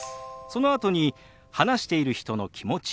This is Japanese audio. そのあとに話している人の気持ち